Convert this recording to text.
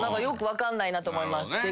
よく分かんないなと思います。